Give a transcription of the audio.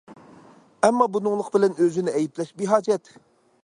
ئەمما بۇنىڭلىق بىلەن ئۆزىنى ئەيىبلەش بىھاجەت.